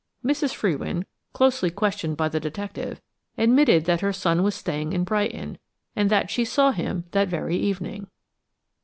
Mrs. Frewin, closely questioned by the detective, admitted that her son was staying in Brighton, and that she saw him that very evening.